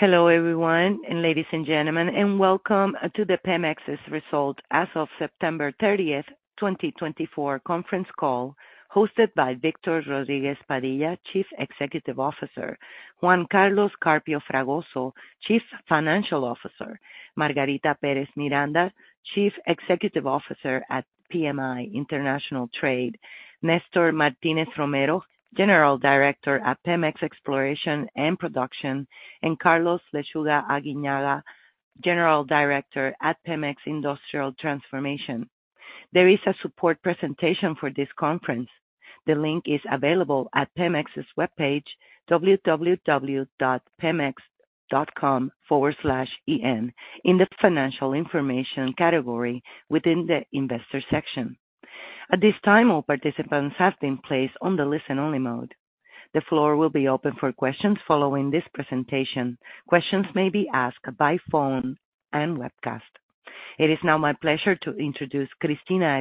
Hello everyone, and ladies and gentlemen, and welcome to the PEMEX's results as of September 30th, 2024 Conference Call hosted by Victor Rodríguez Padilla, Chief Executive Officer; Juan Carlos Carpio Fragoso, Chief Financial Officer; Margarita Pérez Miranda, Chief Executive Officer at PMI International Trade; Néstor Martínez Romero, General Director at PEMEX Exploration and Production; and Carlos Lechuga Aguinaga, General Director at PEMEX Industrial Transformation. There is a support presentation for this conference. The link is available at PEMEX's webpage, www.pemex.com/en, in the Financial Information category within the Investor section. At this time, all participants have been placed on the listen-only mode. The floor will be open for questions following this presentation. Questions may be asked by phone and webcast. It is now my pleasure to introduce Cristina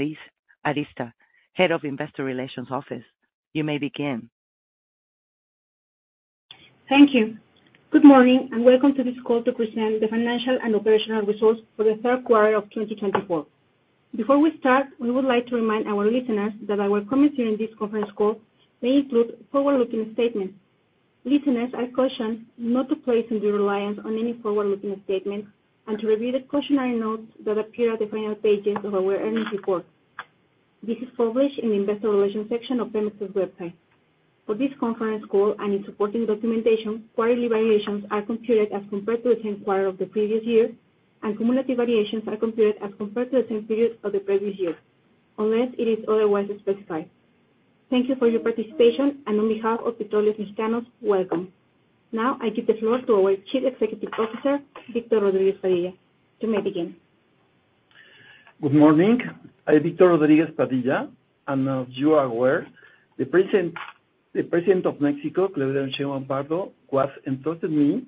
Arista, Head of Investor Relations Office. You may begin. Thank you. Good morning and welcome to this call to present the financial and operational results for the third quarter of 2024. Before we start, we would like to remind our listeners that our comments during this conference call may include forward-looking statements. Listeners are cautioned not to place their reliance on any forward-looking statement and to review the cautionary notes that appear at the final pages of our earnings report. This is published in the Investor Relations section of PEMEX's website. For this conference call and its supporting documentation, quarterly variations are computed as compared to the same quarter of the previous year, and cumulative variations are computed as compared to the same period of the previous year, unless it is otherwise specified. Thank you for your participation, and on behalf of Petróleos Mexicanos, welcome. Now I give the floor to our Chief Executive Officer, Víctor Rodríguez Padilla, to begin. Good morning. I'm Victor Rodríguez Padilla, and as you are aware, the President of Mexico, Claudia Sheinbaum Pardo, has entrusted me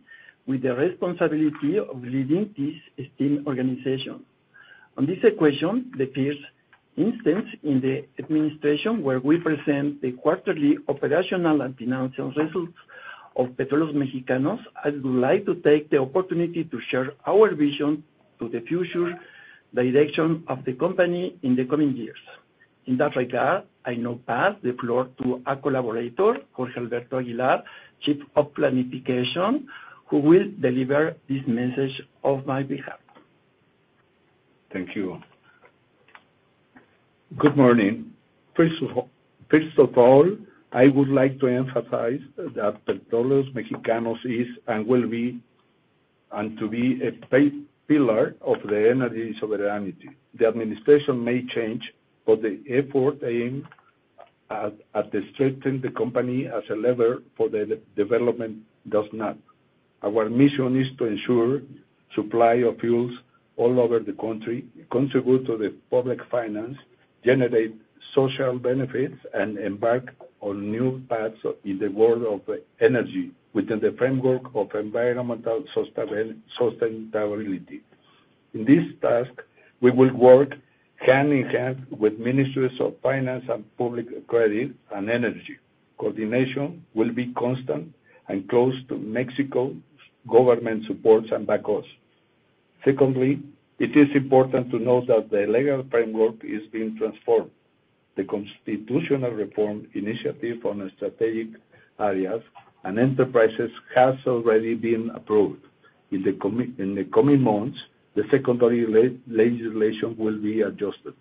with the responsibility of leading this esteemed organization. On this occasion, the first instance in the administration where we present the quarterly operational and financial results of Petróleos Mexicanos. I would like to take the opportunity to share our vision to the future direction of the company in the coming years. In that regard, I now pass the floor to our collaborator, Jorge Alberto Aguilar, Chief of Planification, who will deliver this message on my behalf. Thank you. Good morning. First of all, I would like to emphasize that Petróleos Mexicanos is and will be a pillar of the energy sovereignty. The administration may change, but the effort aimed at strengthening the company as a lever for the development does not. Our mission is to ensure supply of fuels all over the country, contribute to the public finance, generate social benefits, and embark on new paths in the world of energy within the framework of environmental sustainability. In this task, we will work hand in hand with ministries of finance and public credit and energy. Coordination will be constant and close to Mexico's government supports and backers. Secondly, it is important to note that the legal framework is being transformed. The constitutional reform initiative on strategic areas and enterprises has already been approved. In the coming months, the secondary legislation will be adjusted.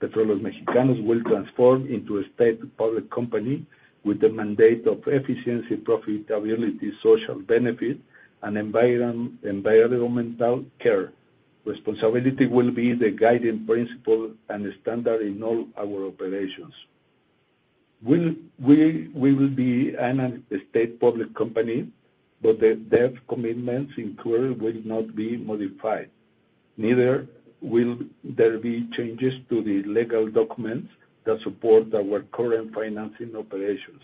Petróleos Mexicanos will transform into a state public company with the mandate of efficiency, profitability, social benefit, and environmental care. Responsibility will be the guiding principle and standard in all our operations. We will be a state public company, but the debt commitments incurred will not be modified. Neither will there be changes to the legal documents that support our current financing operations.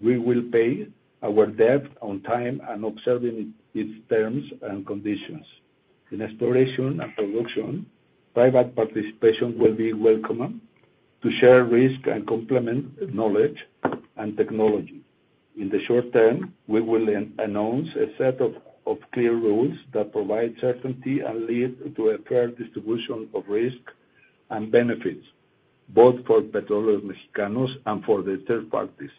We will pay our debt on time and observing its terms and conditions. In exploration and production, private participation will be welcome to share risk and complement knowledge and technology. In the short term, we will announce a set of clear rules that provide certainty and lead to a fair distribution of risk and benefits, both for Petróleos Mexicanos and for the third parties.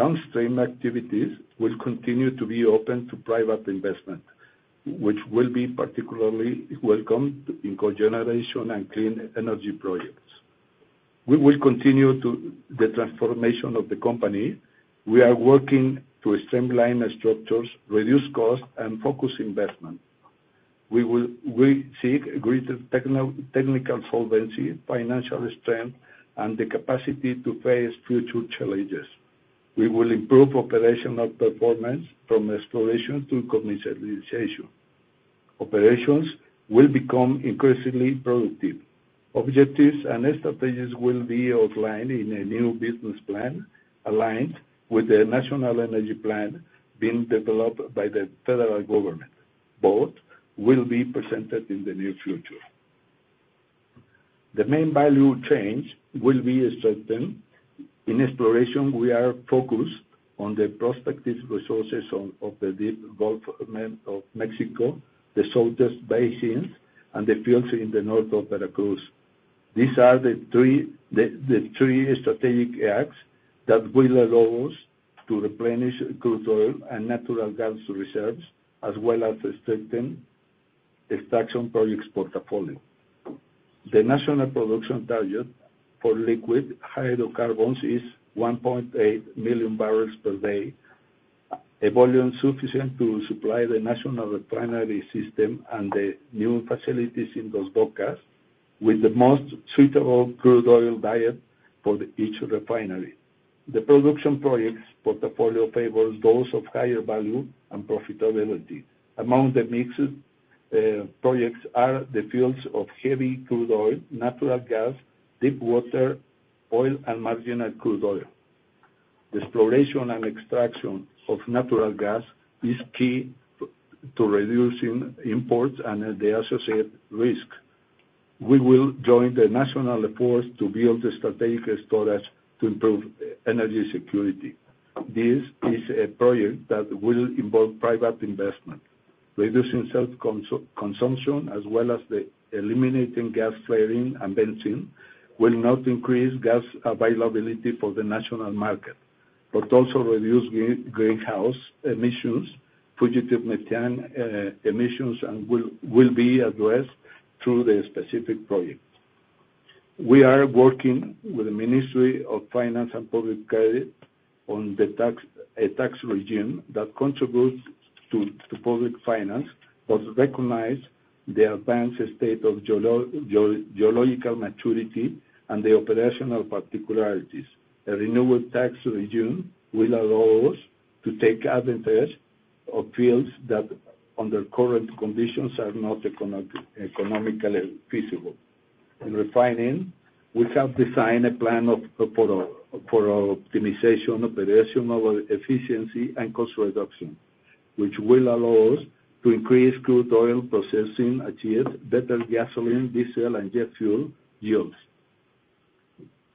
Downstream activities will continue to be open to private investment, which will be particularly welcome in cogeneration and clean energy projects. We will continue the transformation of the company. We are working to streamline structures, reduce costs, and focus investment. We seek greater technical solvency, financial strength, and the capacity to face future challenges. We will improve operational performance from exploration to commercialization. Operations will become increasingly productive. Objectives and strategies will be outlined in a new business plan aligned with the National Energy Plan being developed by the federal government. Both will be presented in the near future. The main value change will be strengthened. In exploration, we are focused on the prospective resources of the Deep Gulf of Mexico, the Salina basin, and the fields in the north of Veracruz. These are the three strategic acts that will allow us to replenish crude oil and natural gas reserves, as well as strengthen extraction projects portfolio. The national production target for liquid hydrocarbons is 1.8 million bbl per day, a volume sufficient to supply the national refinery system and the new facilities in Dos Bocas, with the most suitable crude oil diet for each refinery. The production projects portfolio favors those of higher value and profitability. Among the mixed projects are the fields of heavy crude oil, natural gas, deep water oil, and marginal crude oil. The exploration and extraction of natural gas is key to reducing imports and the associated risk. We will join the national efforts to build strategic storage to improve energy security. This is a project that will involve private investment. Reducing self-consumption, as well as eliminating gas flaring and benzene, will not increase gas availability for the national market, but also reduce greenhouse emissions, fugitive methane emissions, and will be addressed through the specific projects. We are working with the Ministry of Finance and Public Credit on a tax regime that contributes to public finance but recognizes the advanced state of geological maturity and the operational particularities. A renewable tax regime will allow us to take advantage of fields that, under current conditions, are not economically feasible. In refining, we have designed a plan for optimization, operational efficiency, and cost reduction, which will allow us to increase crude oil processing, achieve better gasoline, diesel, and jet fuel yields,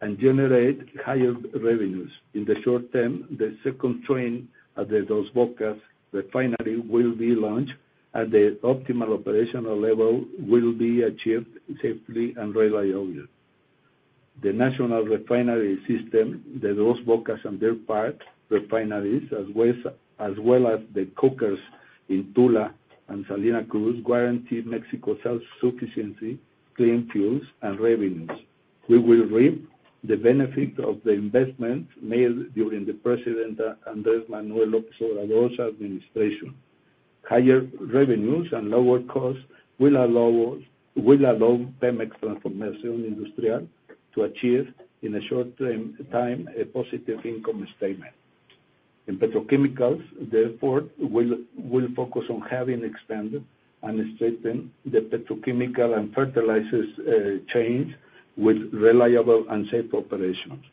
and generate higher revenues. In the short term, the second train at the Dos Bocas refinery will be launched, and the optimal operational level will be achieved safely and reliably. The national refinery system, the Dos Bocas and Deer Park refineries, as well as the cokers in Tula and Salina Cruz, guarantee Mexico's self-sufficiency, clean fuels, and revenues. We will reap the benefit of the investments made during the President Andrés Manuel López Obrador's administration. Higher revenues and lower costs will allow PEMEX Transformation Industrial to achieve, in a short time, a positive income statement. In petrochemicals, the effort will focus on having expanded and strengthened the petrochemical and fertilizer chains with reliable and safe operations.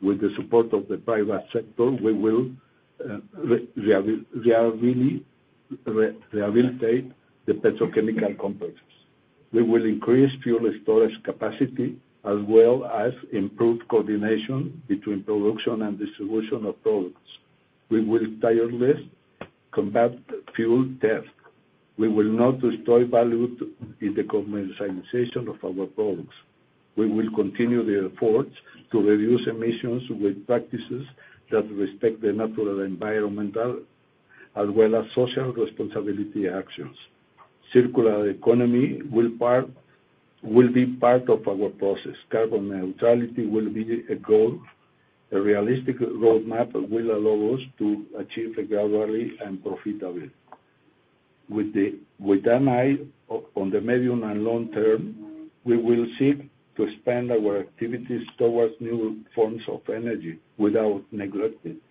With the support of the private sector, we will rehabilitate the petrochemical complexes. We will increase fuel storage capacity, as well as improve coordination between production and distribution of products. We will tirelessly combat fuel theft. We will not destroy value in the commercialization of our products. We will continue the efforts to reduce emissions with practices that respect the natural environment, as well as social responsibility actions. Circular economy will be part of our process. Carbon neutrality will be a realistic roadmap that will allow us to achieve it gradually and profitably. With an eye on the medium and long term, we will seek to expand our activities towards new forms of energy without neglecting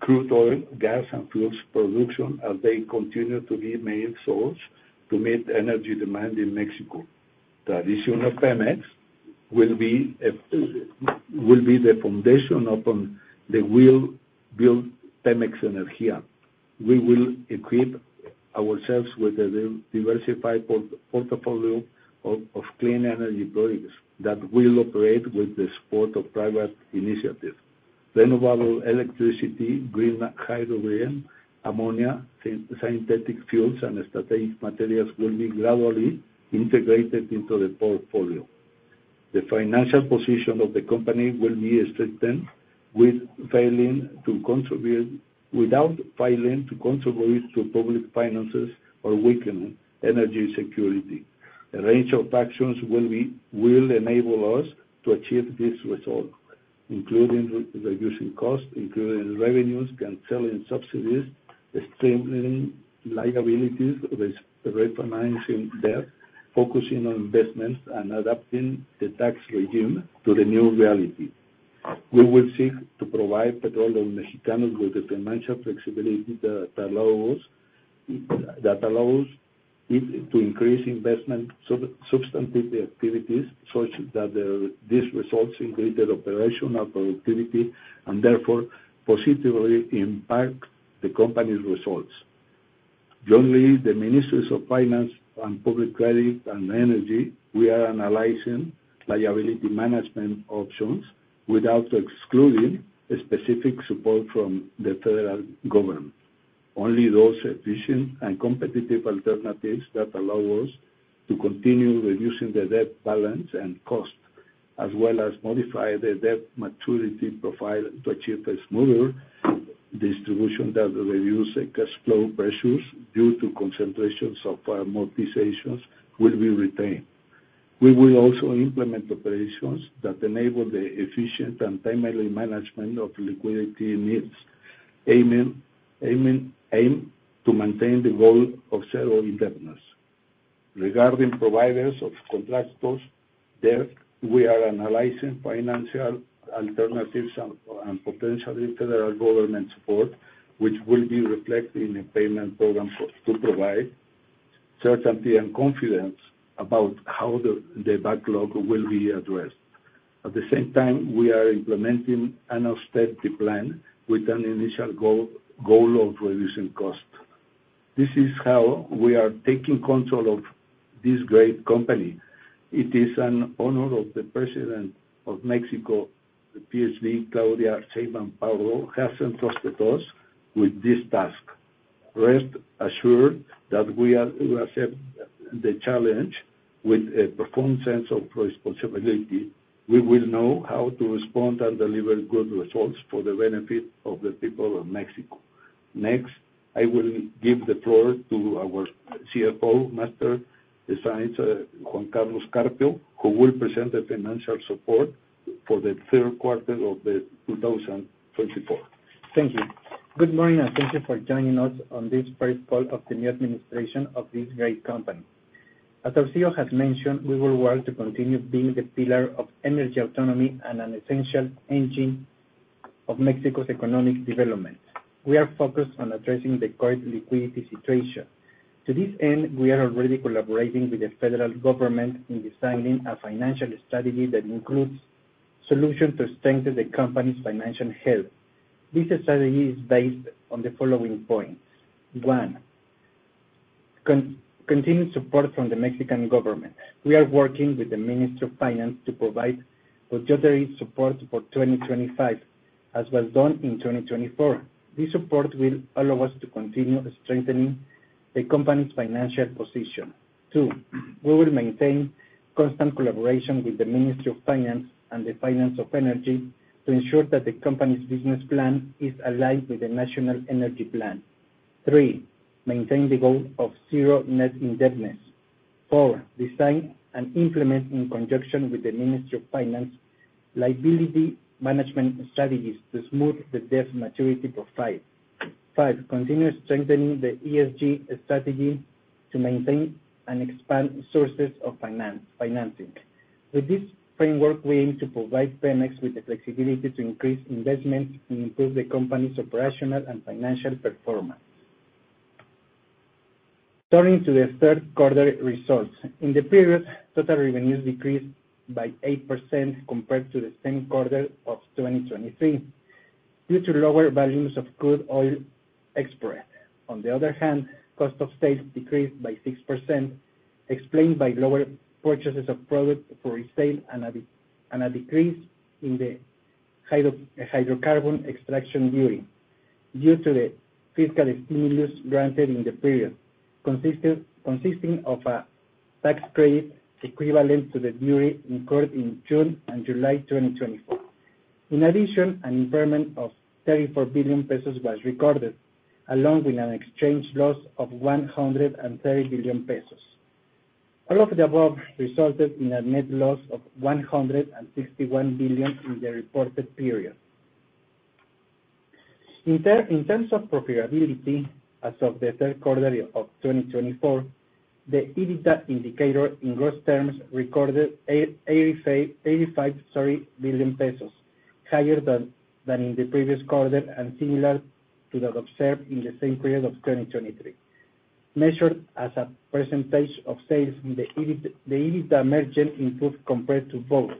crude oil, gas, and fuel production as they continue to be the main source to meet energy demand in Mexico. Traditional PEMEX will be the foundation upon which we will build PEMEX Energía. We will equip ourselves with a diversified portfolio of clean energy projects that will operate with the support of private initiatives. Renewable electricity, green hydrogen, ammonia, synthetic fuels, and strategic materials will be gradually integrated into the portfolio. The financial position of the company will be strengthened without failing to contribute to public finances or weaken energy security. A range of actions will enable us to achieve this result, including reducing costs, increasing revenues, canceling subsidies, streamlining liabilities, refinancing debt, focusing on investments, and adapting the tax regime to the new reality. We will seek to provide Petróleos Mexicanos with the financial flexibility that allows us to increase investment substantive activities such that these results increase the operational productivity and therefore positively impact the company's results. Jointly, the Ministries of Finance and Public Credit and Energy, we are analyzing liability management options without excluding specific support from the federal government. Only those efficient and competitive alternatives that allow us to continue reducing the debt balance and cost, as well as modify the debt maturity profile to achieve a smoother distribution that reduces cash flow pressures due to concentrations of amortizations will be retained. We will also implement operations that enable the efficient and timely management of liquidity needs, aiming to maintain the goal of zero indebtedness. Regarding providers and contractors debt, we are analyzing financial alternatives and potentially federal government support, which will be reflected in a payment program to provide certainty and confidence about how the backlog will be addressed. At the same time, we are implementing an austerity plan with an initial goal of reducing costs. This is how we are taking control of this great company. It is an honor that the President of Mexico, Claudia Sheinbaum Pardo, has entrusted us with this task. Rest assured that we accept the challenge with a profound sense of responsibility. We will know how to respond and deliver good results for the benefit of the people of Mexico. Next, I will give the floor to our CFO, Master of Science Juan Carlos Carpio, who will present the financial results for the third quarter of 2024. Thank you. Good morning and thank you for joining us on this first call of the new administration of this great company. As our CEO has mentioned, we will work to continue being the pillar of energy autonomy and an essential engine of México's economic development. We are focused on addressing the current liquidity situation. To this end, we are already collaborating with the federal government in designing a financial strategy that includes solutions to strengthen the company's financial health. This strategy is based on the following points: one, continued support from the Mexican government. We are working with the Ministry of Finance to provide budgetary support for 2025, as was done in 2024. This support will allow us to continue strengthening the company's financial position. Two, we will maintain constant collaboration with the Ministry of Finance and the Ministry of Energy to ensure that the company's business plan is aligned with the National Energy Plan. Three, maintain the goal of zero net indebtedness. Four, design and implement in conjunction with the Ministry of Finance liability management strategies to smooth the debt maturity profile. Five, continue strengthening the ESG strategy to maintain and expand sources of financing. With this framework, we aim to provide PEMEX with the flexibility to increase investment and improve the company's operational and financial performance. Turning to the third quarter results, in the period, total revenues decreased by 8% compared to the same quarter of 2023 due to lower volumes of crude oil exports. On the other hand, cost of sales decreased by 6%, explained by lower purchases of products for resale and a decrease in the hydrocarbon extraction duty due to the fiscal stimulus granted in the period, consisting of a tax credit equivalent to the duty incurred in June and July 2024. In addition, an impairment of 34 billion pesos was recorded, along with an exchange loss of 130 billion pesos. All of the above resulted in a net loss of 161 billion in the reported period. In terms of profitability, as of the third quarter of 2024, the EBITDA indicator, in gross terms, recorded 85 billion pesos, higher than in the previous quarter and similar to that observed in the same period of 2023. Measured as a percentage of sales, the EBITDA margin improved compared to both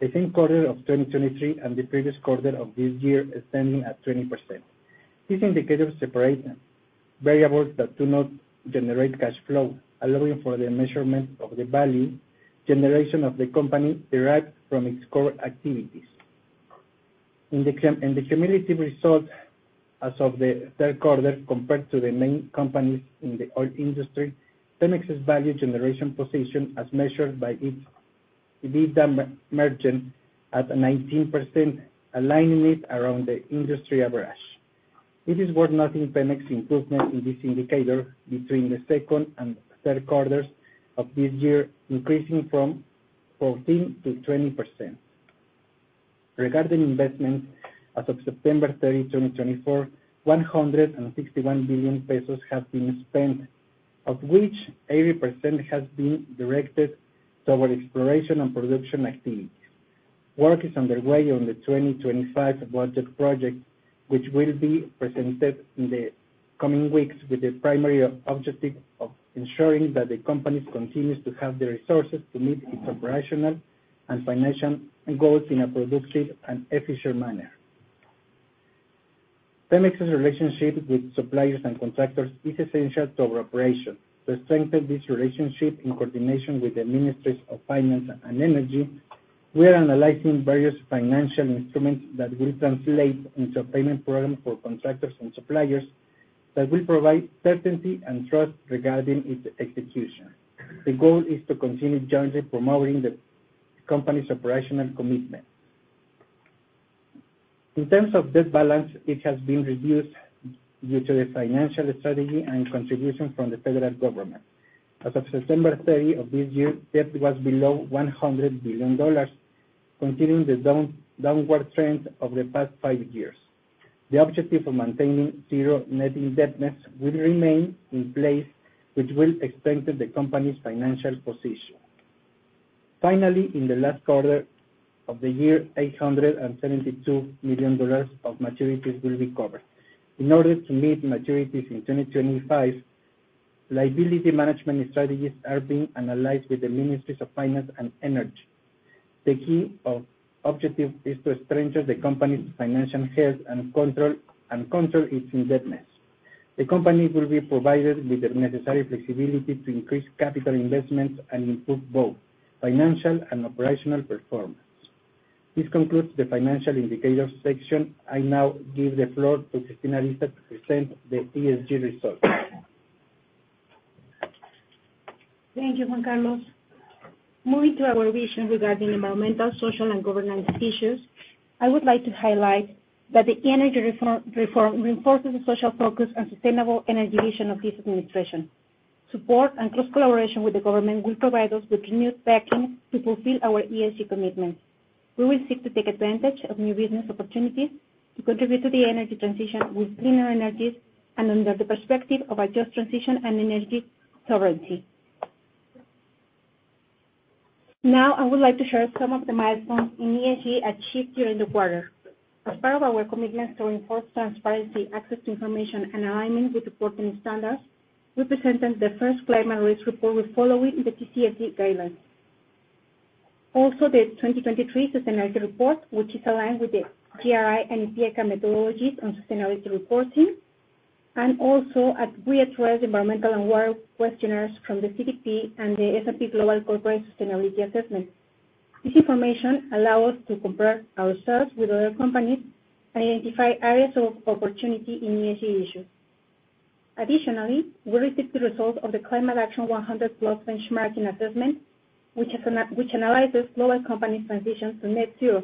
the same quarter of 2023 and the previous quarter of this year, extending at 20%. This indicator separates variables that do not generate cash flow, allowing for the measurement of the value generation of the company derived from its core activities. In the cumulative result, as of the third quarter, compared to the main companies in the oil industry, PEMEX's value generation position, as measured by its EBITDA margin, is at 19%, aligning it around the industry average. It is worth noting PEMEX's improvement in this indicator between the second and third quarters of this year, increasing from 14%-20%. Regarding investments, as of September 30, 2024, 161 billion pesos have been spent, of which 80% has been directed towards exploration and production activities. Work is underway on the 2025 budget project, which will be presented in the coming weeks, with the primary objective of ensuring that the company continues to have the resources to meet its operational and financial goals in a productive and efficient manner. PEMEX's relationship with suppliers and contractors is essential to our operation. To strengthen this relationship in coordination with the Ministries of Finance and Energy, we are analyzing various financial instruments that will translate into a payment program for contractors and suppliers that will provide certainty and trust regarding its execution. The goal is to continue jointly promoting the company's operational commitment. In terms of debt balance, it has been reduced due to the financial strategy and contributions from the federal government. As of September 30 of this year, debt was below $100 billion, continuing the downward trend of the past five years. The objective of maintaining zero net indebtedness will remain in place, which will strengthen the company's financial position. Finally, in the last quarter of the year, $872 million of maturities will be covered. In order to meet maturities in 2025, liability management strategies are being analyzed with the Ministries of Finance and Energy. The key objective is to strengthen the company's financial health and control its indebtedness. The company will be provided with the necessary flexibility to increase capital investments and improve both financial and operational performance. This concludes the financial indicators section. I now give the floor to Cristina Arista to present the ESG results. Thank you, Juan Carlos. Moving to our vision regarding environmental, social, and governance issues, I would like to highlight that the energy reform reinforces the social focus and sustainable energy vision of this administration. Support and close collaboration with the government will provide us with renewed backing to fulfill our ESG commitments. We will seek to take advantage of new business opportunities to contribute to the energy transition with cleaner energies and under the perspective of a just transition and energy sovereignty. Now, I would like to share some of the milestones in ESG achieved during the quarter. As part of our commitment to reinforce transparency, access to information, and alignment with important standards, we presented the first climate risk report, following the TCFD guidelines. Also, the 2023 sustainability report, which is aligned with the GRI and IPIECA methodologies on sustainability reporting, and also we addressed environmental and water questionnaires from the CDP and the S&P Global Corporate Sustainability Assessment. This information allows us to compare ourselves with other companies and identify areas of opportunity in ESG issues. Additionally, we received the results of the Climate Action 100+ Benchmarking Assessment, which analyzes global companies' transition to net zero.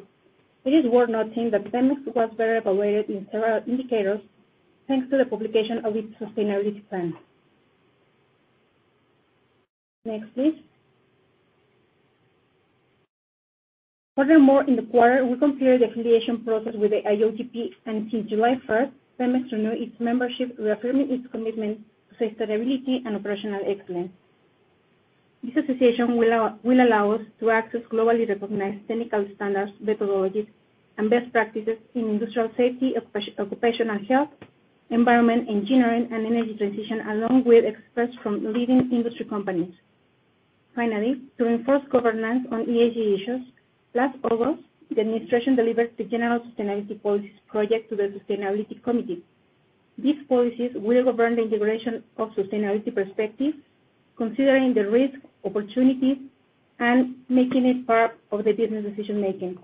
It is worth noting that PEMEX was better evaluated in several indicators thanks to the publication of its sustainability plan. Next, please. Furthermore, in the quarter, we completed the affiliation process with the IOGP, and since July 1st, PEMEX renewed its membership, reaffirming its commitment to sustainability and operational excellence. This association will allow us to access globally recognized technical standards, methodologies, and best practices in industrial safety, occupational health, environmental engineering, and energy transition, along with experts from leading industry companies. Finally, to reinforce governance on ESG issues, last August, the administration delivered the General Sustainability Policy Project to the Sustainability Committee. These policies will govern the integration of sustainability perspectives, considering the risks, opportunities, and making it part of the business decision-making,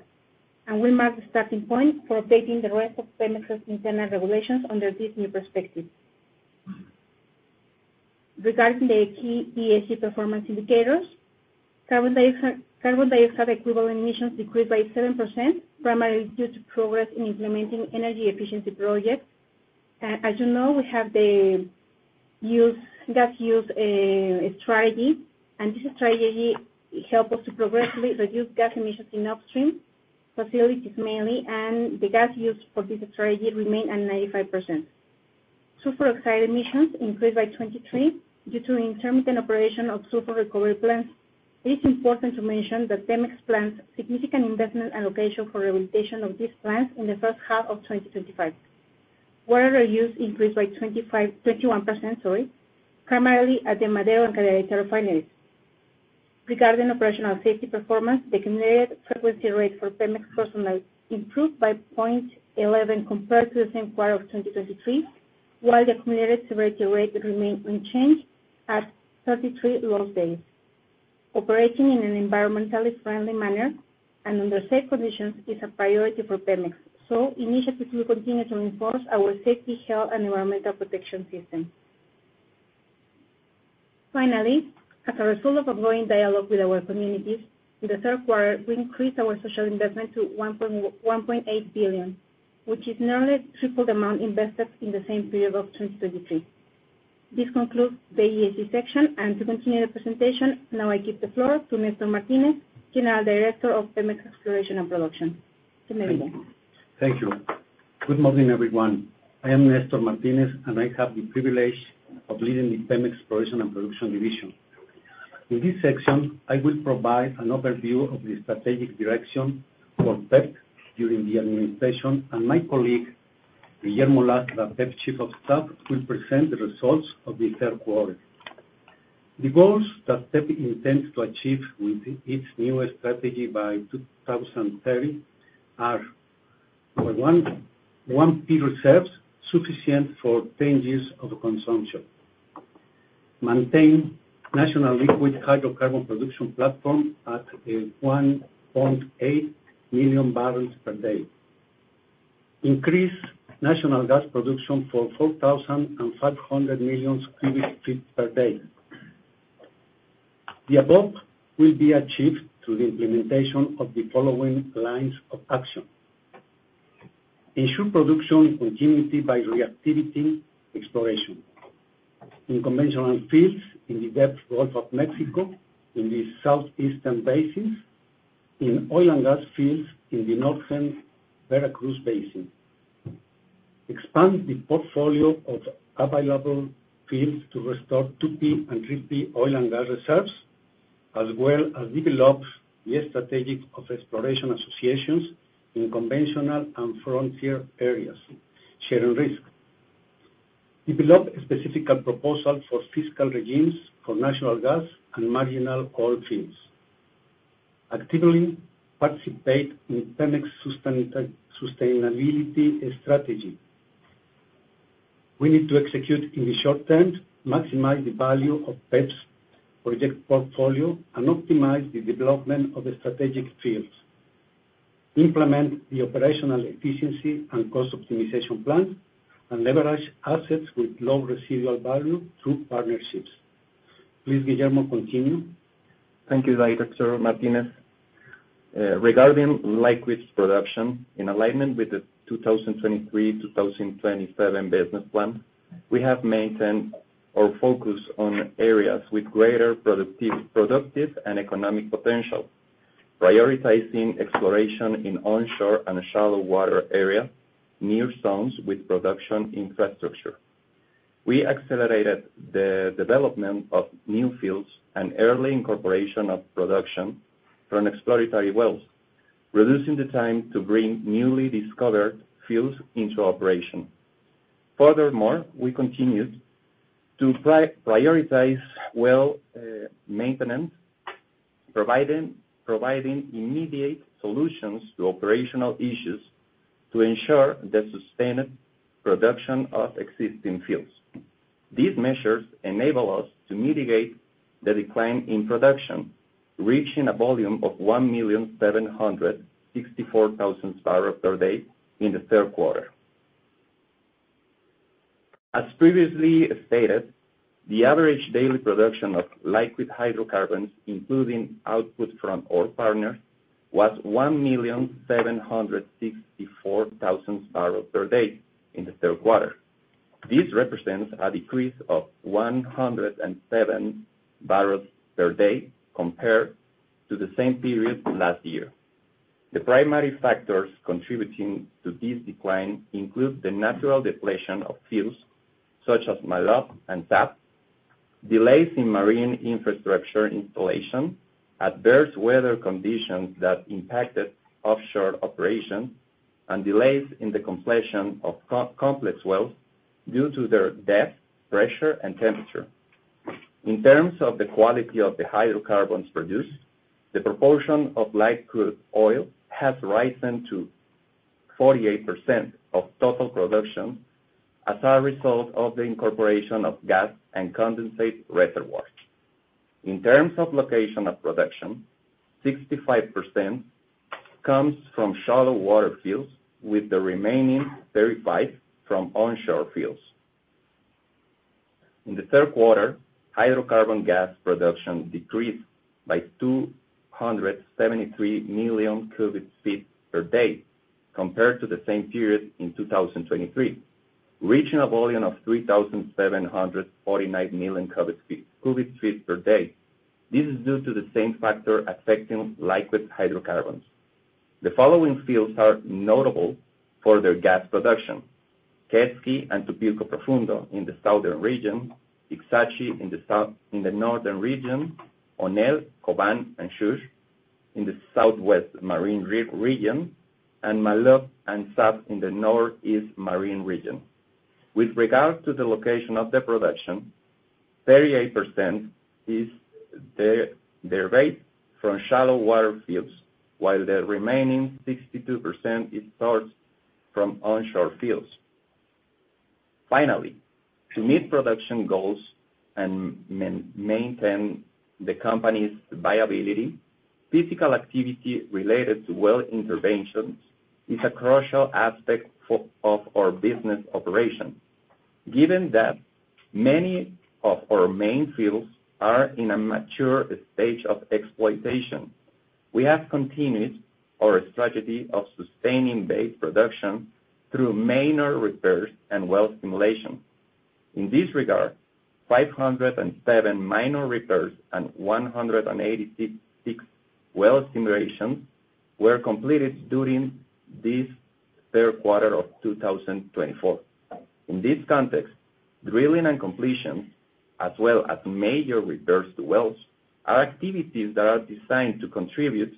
and will mark the starting point for updating the rest of PEMEX's internal regulations under these new perspectives. Regarding the key ESG performance indicators, carbon dioxide equivalent emissions decreased by 7%, primarily due to progress in implementing energy efficiency projects. As you know, we have the gas use strategy, and this strategy helps us to progressively reduce gas emissions in upstream facilities, mainly, and the gas use for this strategy remained at 95%. Sulfur oxide emissions increased by 23% due to intermittent operation of sulfur recovery plants. It is important to mention that PEMEX plans significant investment allocation for rehabilitation of these plants in the first half of 2025. Water reuse increased by 21%, primarily at the Madero and Cadereyta refineries. Regarding operational safety performance, the accumulated frequency rate for PEMEX personnel improved by 0.11 compared to the same quarter of 2023, while the accumulated severity rate remained unchanged at 33 loss days. Operating in an environmentally friendly manner and under safe conditions is a priority for PEMEX, so initiatives will continue to reinforce our safety, health, and environmental protection system. Finally, as a result of ongoing dialogue with our communities, in the third quarter, we increased our social investment to 1.8 billion, which is nearly triple the amount invested in the same period of 2023. This concludes the ESG section, and to continue the presentation, now I give the floor to Néstor Martínez, General Director of PEMEX Exploration and Production. Thank you. Thank you. Good morning, everyone. I am Néstor Martínez, and I have the privilege of leading the PEMEX Exploration and Production Division. In this section, I will provide an overview of the strategic direction for PEP during the administration, and my colleague, Guillermo Lastra, PEP Chief of Staff, will present the results of the third quarter. The goals that PEP intends to achieve with its new strategy by 2030 are, number one, 1P reserves sufficient for 10 years of consumption, maintain national liquid hydrocarbon production platform at 1.8 million bbl per day, increase national gas production for 4,500 million cu ft per day. The above will be achieved through the implementation of the following lines of action. Ensure production continuity by reactivating exploration in conventional fields in the Gulf of Mexico, in the southeastern basins, in oil and gas fields in the Northern Veracruz basin. Expand the portfolio of available fields to restore 2P and 3P oil and gas reserves, as well as develop the strategic exploration associations in conventional and frontier areas, sharing risks. Develop a specific proposal for fiscal regimes for natural gas and marginal oil fields. Actively participate in PEMEX's sustainability strategy. We need to execute in the short term, maximize the value of PEP's project portfolio, and optimize the development of the strategic fields. Implement the operational efficiency and cost optimization plan, and leverage assets with low residual value through partnerships. Please, Guillermo, continue. Thank you, Dr. Martínez. Regarding liquid production, in alignment with the 2023-2027 business plan, we have maintained our focus on areas with greater productive and economic potential, prioritizing exploration in onshore and shallow water areas near zones with production infrastructure. We accelerated the development of new fields and early incorporation of production from exploratory wells, reducing the time to bring newly discovered fields into operation. Furthermore, we continued to prioritize well maintenance, providing immediate solutions to operational issues to ensure the sustained production of existing fields. These measures enable us to mitigate the decline in production, reaching a volume of 1,764,000 bbl per day in the third quarter. As previously stated, the average daily production of liquid hydrocarbons, including output from oil partners, was 1,764,000 bbl per day in the third quarter. This represents a decrease of 107 bbl per day compared to the same period last year. The primary factors contributing to this decline include the natural depletion of fields such as Maloob and Zaap, delays in marine infrastructure installation, adverse weather conditions that impacted offshore operations, and delays in the completion of complex wells due to their depth, pressure, and temperature. In terms of the quality of the hydrocarbons produced, the proportion of liquid oil has risen to 48% of total production as a result of the incorporation of gas and condensate reservoirs. In terms of location of production, 65% comes from shallow water fields, with the remaining 35% from onshore fields. In the third quarter, hydrocarbon gas production decreased by 273 million cu ft per day compared to the same period in 2023, reaching a volume of 3,749 million cu ft per day. This is due to the same factor affecting liquid hydrocarbons. The following fields are notable for their gas production: Quesqui and Tupilco Profundo in the Southern Region, Ixachi in the northern region, Onel, Koban, and Xux in the Southwest Marine Region, and Maloob and Zaap in the Northeast Marine Region. With regard to the location of the production, 38% is derived from shallow water fields, while the remaining 62% is sourced from onshore fields. Finally, to meet production goals and maintain the company's viability, physical activity related to well interventions is a crucial aspect of our business operation. Given that many of our main fields are in a mature stage of exploitation, we have continued our strategy of sustaining base production through minor repairs and well stimulations. In this regard, 507 minor repairs and 186 well stimulations were completed during this third quarter of 2024. In this context, drilling and completions, as well as major repairs to wells, are activities that are designed to contribute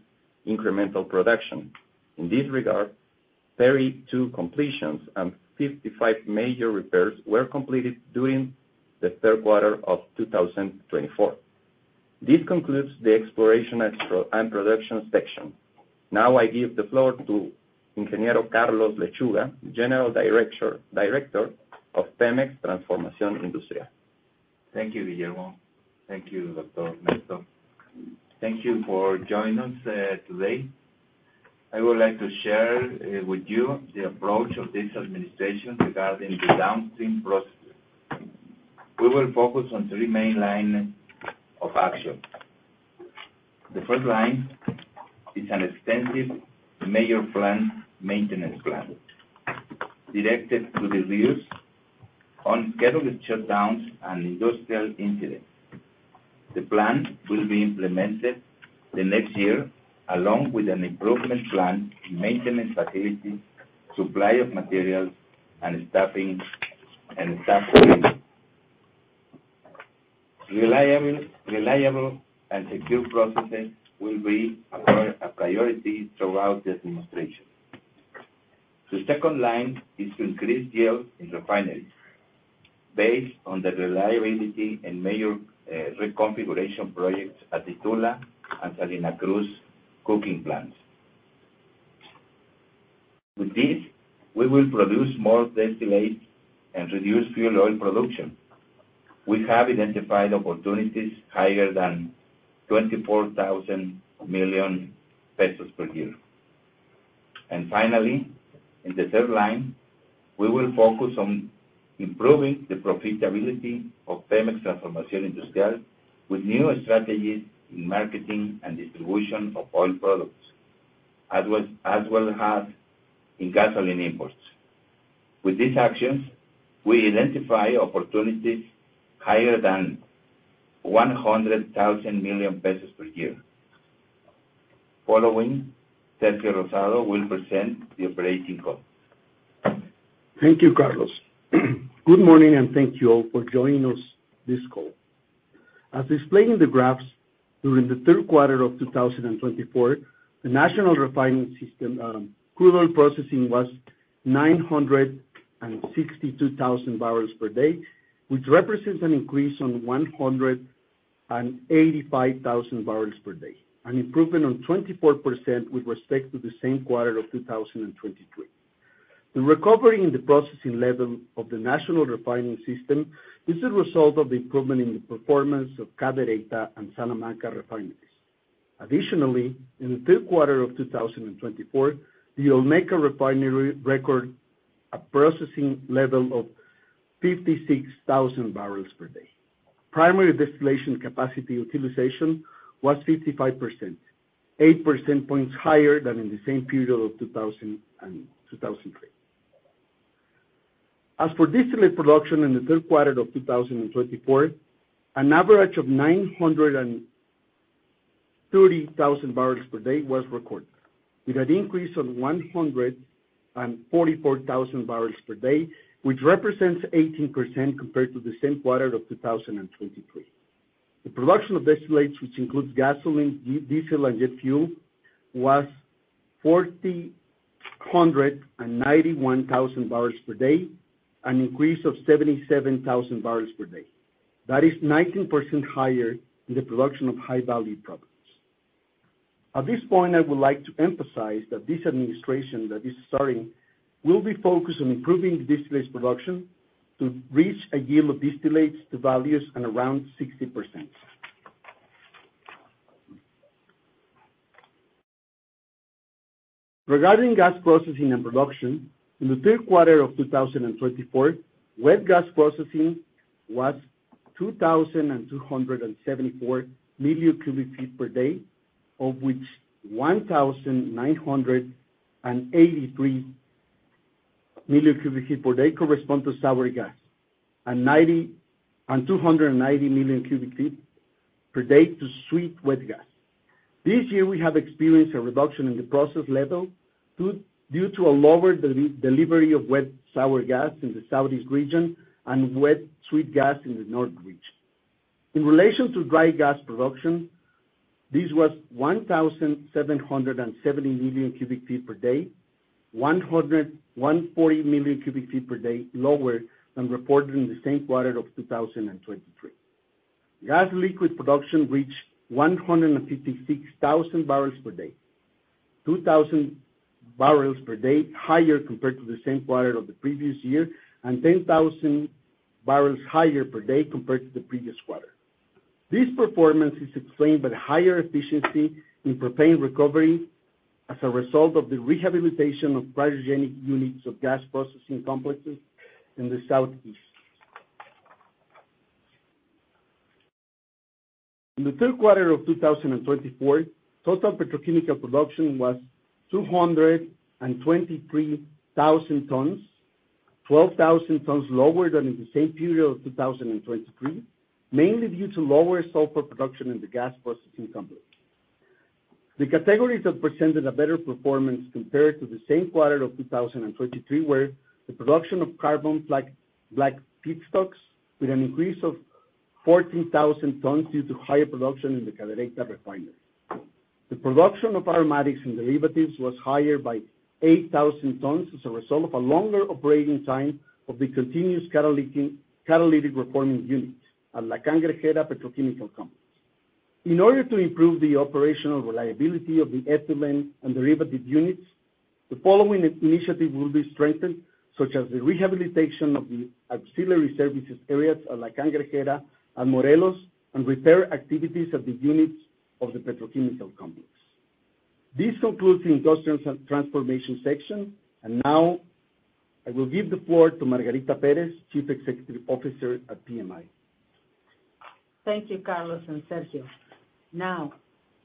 to incremental production. In this regard, 32 completions and 55 major repairs were completed during the third quarter of 2024. This concludes the exploration and production section. Now, I give the floor to Ingeniero Carlos Lechuga, General Director of PEMEX Transformación Industrial. Thank you, Guillermo. Thank you, Dr. Néstor. Thank you for joining us today. I would like to share with you the approach of this administration regarding the downstream processes. We will focus on three main lines of action. The first line is an extensive major plant maintenance plan directed to the avoidance of scheduled shutdowns and industrial incidents. The plan will be implemented the next year along with an improvement plan in maintenance facilities, supply of materials, and staffing. Reliable and secure processes will be a priority throughout the administration. The second line is to increase yields in refineries based on the reliability and major reconfiguration projects at Tula and Salina Cruz coking plants. With this, we will produce more distillates and reduce fuel oil production. We have identified opportunities higher than 24 billion pesos per year. And finally, in the third line, we will focus on improving the profitability of PEMEX Transformación Industrial with new strategies in marketing and distribution of oil products, as well as in gasoline imports. With these actions, we identify opportunities higher than 100 billion pesos per year. Following, Sergio Rosado will present the operating call. Thank you, Carlos. Good morning, and thank you all for joining us this call. As displayed in the graphs, during the third quarter of 2024, the national refining system crude oil processing was 962,000 bbl per day, which represents an increase on 185,000 bbl per day, an improvement of 24% with respect to the same quarter of 2023. The recovery in the processing level of the national refining system is the result of the improvement in the performance of Cadereyta and Salamanca refineries. Additionally, in the third quarter of 2024, the Olmeca refinery recorded a processing level of 56,000 bbl per day. Primary distillation capacity utilization was 55%, 8 percentage points higher than in the same period of 2023. As for distillate production in the third quarter of 2024, an average of 930,000 bbl per day was recorded, with an increase of 144,000 bbl per day, which represents 18% compared to the same quarter of 2023. The production of distillates, which includes gasoline, diesel, and jet fuel, was 491,000 bbl per day, an increase of 77,000 bbl per day. That is 19% higher in the production of high-value products. At this point, I would like to emphasize that this administration that is starting will be focused on improving distillate production to reach a yield of distillates to values at around 60%. Regarding gas processing and production, in the third quarter of 2024, wet gas processing was 2,274 million cu ft per day, of which 1,983 million cu ft per day correspond to sour gas and 290 million cu ft per day to sweet wet gas. This year, we have experienced a reduction in the process level due to a lower delivery of wet sour gas in the Southeast region and wet sweet gas in the North region. In relation to dry gas production, this was 1,770 million cu ft per day, 140 million cu ft per day lower than reported in the same quarter of 2023. Gas liquid production reached 156,000 bbl per day, 2,000 bbl per day higher compared to the same quarter of the previous year, and 10,000 bbl higher per day compared to the previous quarter. This performance is explained by the higher efficiency in propane recovery as a result of the rehabilitation of cryogenic units of gas processing complexes in the Southeast. In the third quarter of 2024, total petrochemical production was 223,000 tons, 12,000 tons lower than in the same period of 2023, mainly due to lower sulfur production in the gas processing complex. The categories that presented a better performance compared to the same quarter of 2023 were the production of carbon black feedstocks with an increase of 14,000 tons due to higher production in the Cadereyta refineries. The production of aromatics and derivatives was higher by 8,000 tons as a result of a longer operating time of the continuous catalytic reforming unit at La Cangrejera Petrochemical Complex. In order to improve the operational reliability of the ethylene and derivative units, the following initiatives will be strengthened, such as the rehabilitation of the auxiliary services areas at La Cangrejera and Morelos, and repair activities at the units of the petrochemical complex. This concludes the industrial transformation section, and now I will give the floor to Margarita Pérez, Chief Executive Officer at PMI. Thank you, Carlos and Sergio. Now,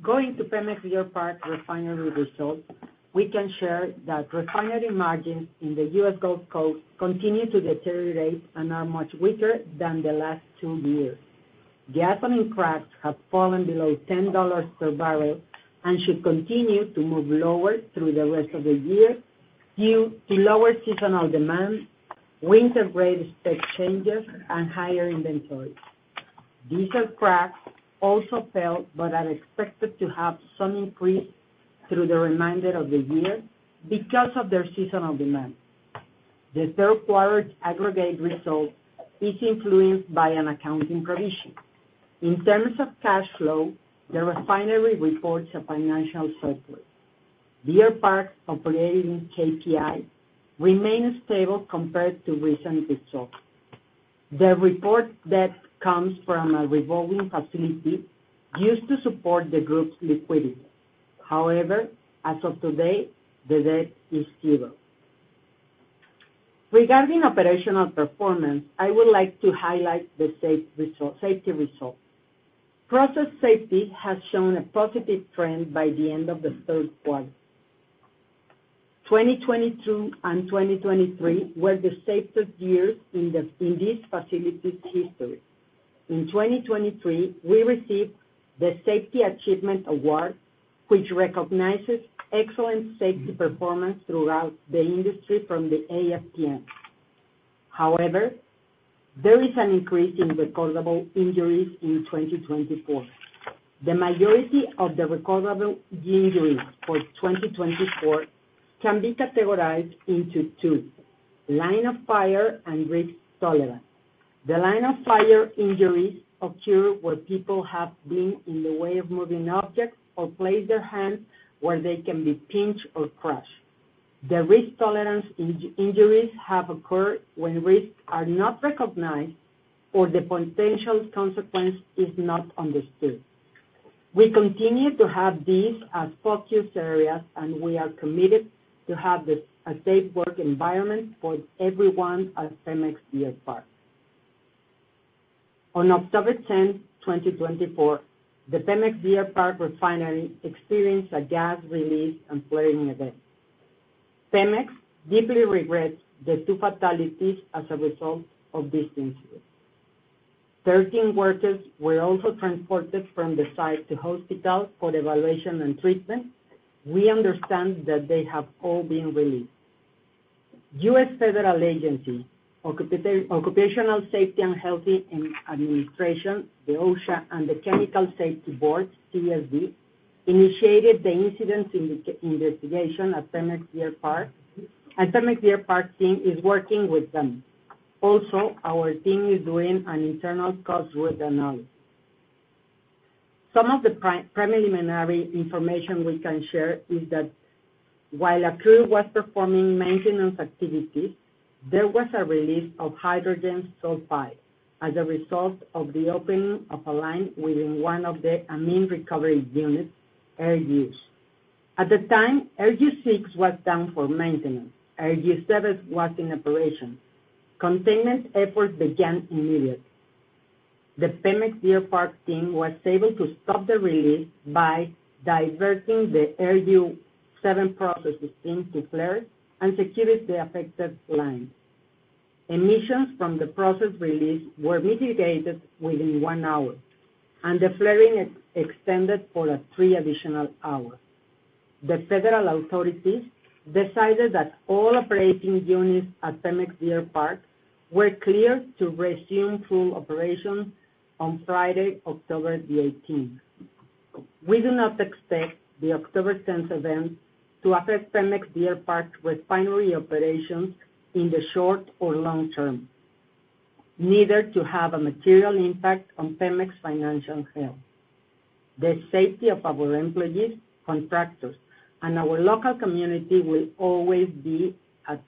going to PEMEX Deer Park refinery results, we can share that refinery margins in the U.S. Gulf Coast continue to deteriorate and are much weaker than the last two years. Gasoline cracks have fallen below $10 per barrel and should continue to move lower through the rest of the year due to lower seasonal demand, winter rate expectations, and higher inventory. Diesel cracks also fell but are expected to have some increase through the remainder of the year because of their seasonal demand. The third quarter's aggregate result is influenced by an accounting provision. In terms of cash flow, the refinery reports a financial surplus. The Deer Park operating KPI remains stable compared to recent results. The reported debt comes from a revolving facility used to support the group's liquidity. However, as of today, the debt is zero. Regarding operational performance, I would like to highlight the safety results. Process safety has shown a positive trend by the end of the third quarter. 2022 and 2023 were the safest years in this facility's history. In 2023, we received the Safety Achievement Award, which recognizes excellent safety performance throughout the industry from the AFPM. However, there is an increase in recordable injuries in 2024. The majority of the recordable injuries for 2024 can be categorized into two: line of fire and risk tolerance. The line of fire injuries occur where people have been in the way of moving objects or place their hands where they can be pinched or crushed. The risk tolerance injuries have occurred when risks are not recognized or the potential consequence is not understood. We continue to have these as focus areas, and we are committed to have a safe work environment for everyone at PEMEX Deer Park. On October 10, 2024, the PEMEX Deer Park refinery experienced a gas release and flaring event. PEMEX deeply regrets the two fatalities as a result of this incident. 13 workers were also transported from the site to hospitals for evaluation and treatment. We understand that they have all been released. U.S. Federal Agency, Occupational Safety and Health Administration, the OSHA, and the Chemical Safety Board, CSB, initiated the incident investigation at PEMEX Deer Park, and PEMEX Deer Park team is working with them. Also, our team is doing an internal cost risk analysis. Some of the preliminary information we can share is that while a crew was performing maintenance activities, there was a release of hydrogen sulfide as a result of th e opening of a line within one of the amine recovery units, ARUs. At the time, ARU 6 was down for maintenance. ARU 7 was in operation. Containment efforts began immediately. The PEMEX Deer Park team was able to stop the release by diverting the ARU 7 processing team to flare and securing the affected line. Emissions from the process release were mitigated within one hour, and the flaring extended for three additional hours. The federal authorities decided that all operating units at PEMEX Deer Park were cleared to resume full operation on Friday, October 18th. We do not expect the October 10th event to affect PEMEX Deer Park's refinery operations in the short or long term, neither to have a material impact on PEMEX financial health. The safety of our employees, contractors, and our local community will always be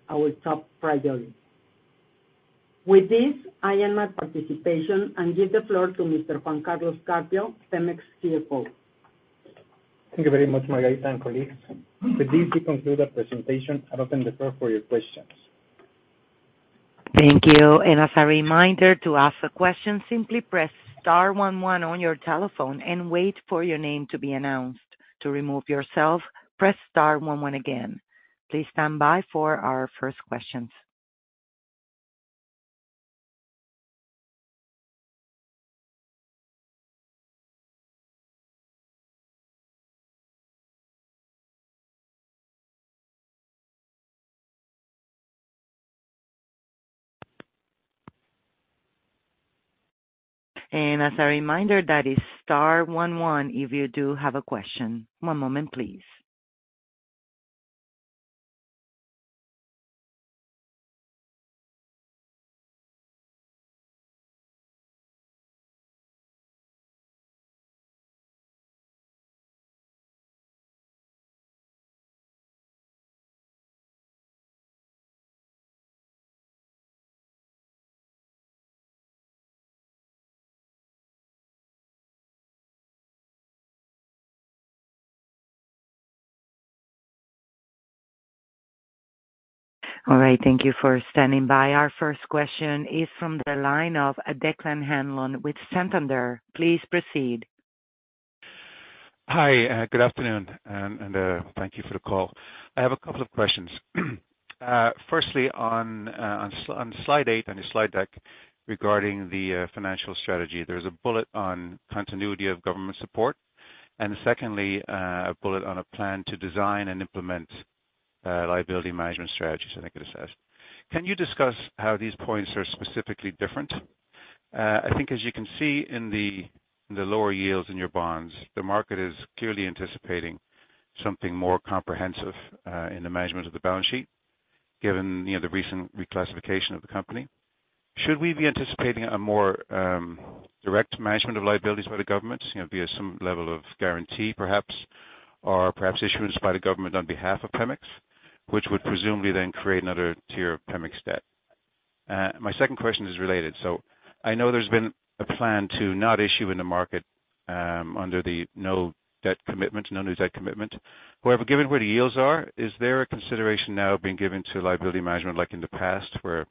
our top priority. With this, I end my participation and give the floor to Mr. Juan Carlos Carpio Fragoso, PEMEX CFO. Thank you very much, Margarita and colleagues. With this, we conclude the presentation. I'll open the floor for your questions. Thank you. And as a reminder, to ask a question, simply press star one one on your telephone and wait for your name to be announced. To remove yourself, press star one one again. Please stand by for our first questions. And as a reminder, that is star one one if you do have a question. One moment, please. All right. Thank you for standing by. Our first question is from the line of Declan Hanlon with Santander. Please proceed. Hi, good afternoon, and thank you for the call. I have a couple of questions. Firstly, on slide 8 on the slide deck regarding the financial strategy, there is a bullet on continuity of government support, and secondly, a bullet on a plan to design and implement liability management strategies, I think it says. Can you discuss how these points are specifically different? I think, as you can see in the lower yields in your bonds, the market is clearly anticipating something more comprehensive in the management of the balance sheet, given the recent reclassification of the company. Should we be anticipating a more direct management of liabilities by the government via some level of guarantee, perhaps, or perhaps issuance by the government on behalf of PEMEX, which would presumably then create another tier of PEMEX debt? My second question is related. So I know there's been a plan to not issue in the market under the no debt commitment, no new debt commitment. However, given where the yields are, is there a consideration now being given to liability management like in the past where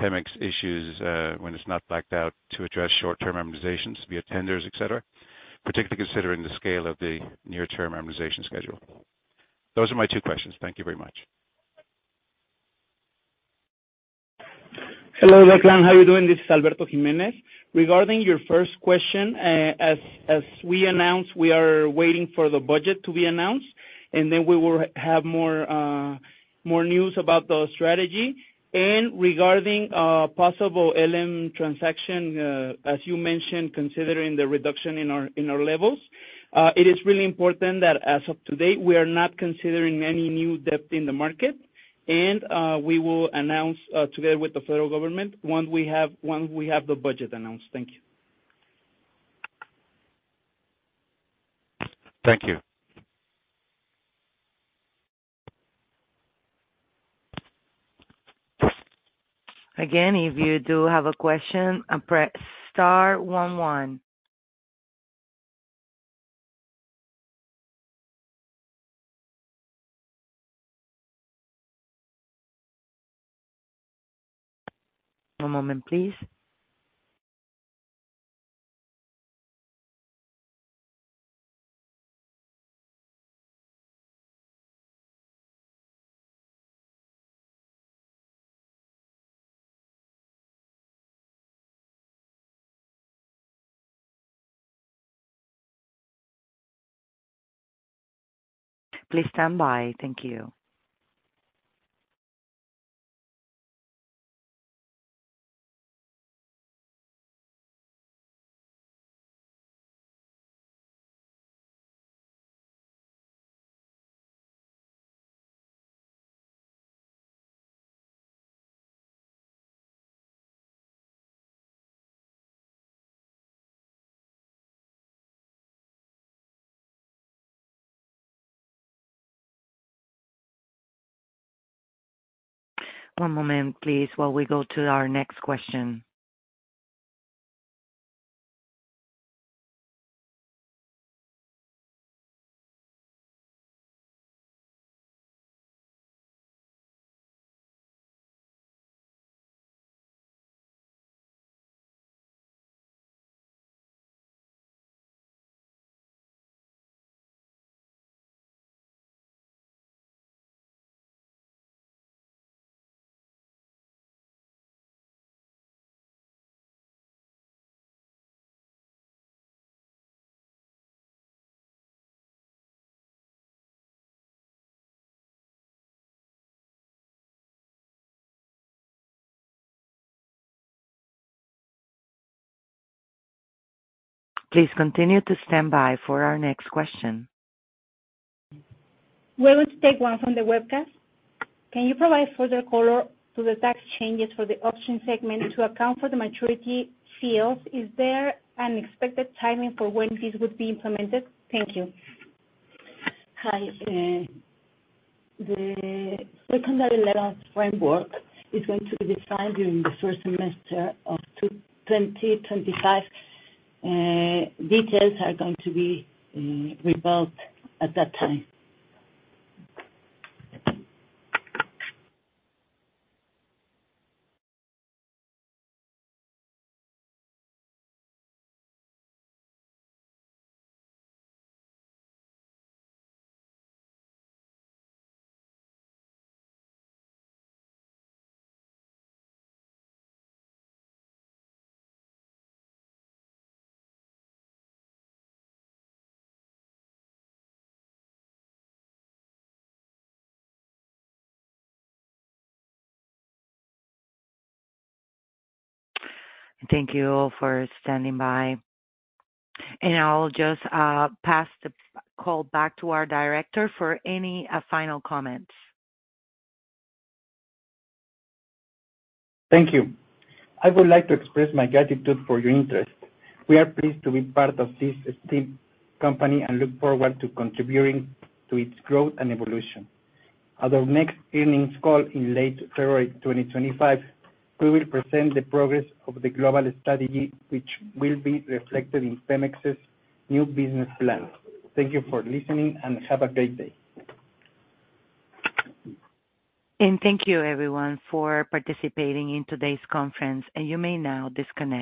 PEMEX issues when it's not blacked out to address short-term amortizations via tenders, etc., particularly considering the scale of the near-term amortization schedule? Those are my two questions. Thank you very much. Hello, Declan. How are you doing? This is Alberto Jiménez. Regarding your first question, as we announced, we are waiting for the budget to be announced, and then we will have more news about the strategy. And regarding possible LM transaction, as you mentioned, considering the reduction in our levels, it is really important that, as of today, we are not considering any new debt in the market, and we will announce together with the federal government once we have the budget announced. Thank you. Thank you. Again, if you do have a question, press star one one. One moment, please. Please stand by. Thank you. One moment, please, while we go to our next question. Please continue to stand by for our next question. We're going to take one from the webcast. Can you provide further color to the tax changes for the option segment to account for the maturity fields? Is there an expected timing for when this would be implemented? Thank you. Hi. The secondary level framework is going to be defined during the first semester of 2025. Details are going to be revealed at that time. Thank you all for standing by. And I'll just pass the call back to our director for any final comments. Thank you. I would like to express my gratitude for your interest. We are pleased to be part of this esteemed company and look forward to contributing to its growth and evolution. At our next earnings call in late February 2025, we will present the progress of the global strategy, which will be reflected in PEMEX's new business plan. Thank you for listening and have a great day. And thank you, everyone, for participating in today's conference. And you may now disconnect.